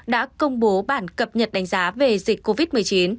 đã công bố bản cập nhật đánh giá về dịch covid một mươi chín